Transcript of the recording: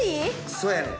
そうやねん。